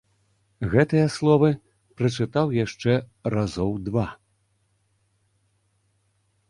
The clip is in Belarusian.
Гэтыя словы прачытаў яшчэ разоў два.